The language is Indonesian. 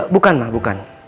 bukan ma bukan